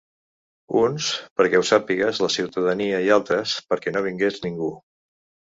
Uns perquè ho sàpigues la ciutadania i altres perquè no vingués ningú.